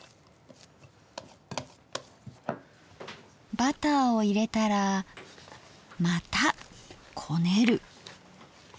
バターを入れたらまたこねる！